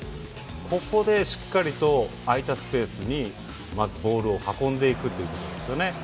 ここでしっかりと空いたスペースに、まずボールを運んでいくということですよね。